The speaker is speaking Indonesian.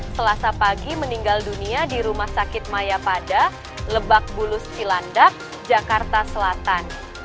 selasa pagi meninggal dunia di rumah sakit mayapada lebak bulus cilandak jakarta selatan